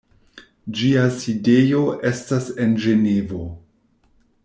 Ĝia sidejo estas en Ĝenevo.